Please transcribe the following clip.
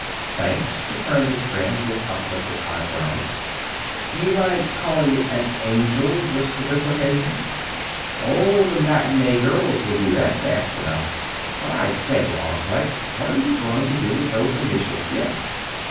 "Thanks," returned his friend, with uplifted eyebrows. "Do you mind calling it 'an angel' just for this occasion?" "Oh, the matinée girls will do that fast enough. But, I say, Arkwright, what are you going to do with those initials then?"